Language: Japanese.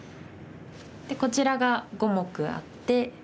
こちらが５目あって。